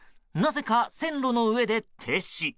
なぜか線路の上で停止。